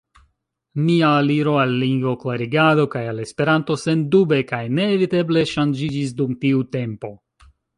Mia aliro al lingvoklarigado kaj al Esperanto sendube kaj neeviteble ŝanĝiĝis dum tiu tempo.